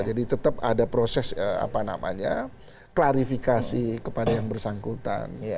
jadi tetap ada proses apa namanya klarifikasi kepada yang bersangkutan